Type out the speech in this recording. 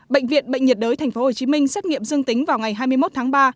bệnh viện bệnh nhiệt đới tp hcm xét nghiệm dương tính vào ngày hai mươi một tháng ba